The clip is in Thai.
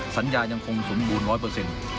สัญญายังคงสมบูรณ์๑๐๐